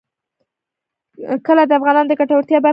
کلي د افغانانو د ګټورتیا برخه ده.